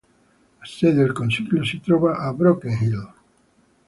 La sede del consiglio si trova a Broken Hill.